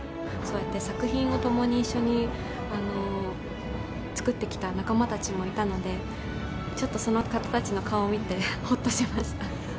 そうやって作品を共に、一緒に作ってきた仲間たちもいたので、ちょっとその方たちの顔を見て、ほっとしました。